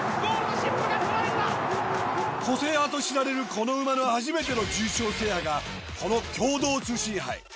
個性派と知られるこの馬の初めての重賞制覇がこの共同通信杯。